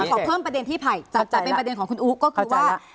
ขอเพิ่มประเด็นที่ไผ่แต่เป็นประเด็นของคุณอู๋ก็คือว่า